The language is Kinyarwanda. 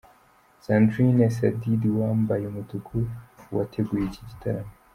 sandrine Sadidi, uwambaye umutuku wateguye iki gitaramo.